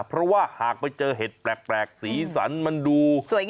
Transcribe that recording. เพราะว่าหากไปเจอเห็ดแปลกสีสันมันดูสวยงาม